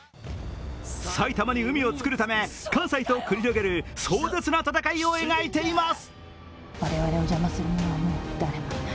埼玉に海を作るため、関西と繰り広げる壮絶な戦いを描いています。